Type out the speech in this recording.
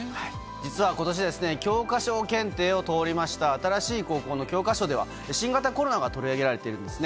実はことし、教科書検定を通りました、新しい高校の教科書では、新型コロナが取り上げられているんですね。